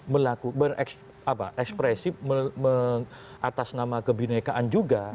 melakukan ekspresi atas nama kebenekaan juga